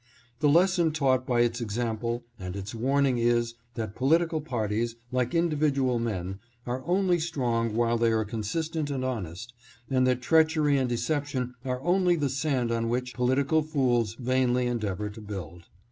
The lesson taught by its ex ample and its warning is, that political parties, like individual men, are only strong while they are con sistent and honest, and that treachery and deception are only the sand on which political fools vainly en deavor to build.